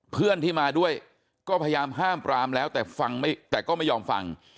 เพื่อนที่มาด้วยก็พยายามห้ามปรามแล้วแต่ฟังไม่แต่ก็ไม่ยอมฟัง